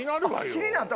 気になった？